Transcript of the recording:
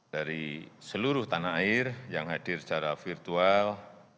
dari seluruh tanah air yang hadir secara virtual